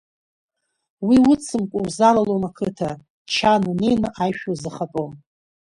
Уи уцымкәа узалалом ақыҭа, Чан унеины аишәа узахатәом.